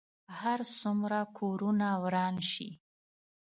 هر څومره کورونه وران شي.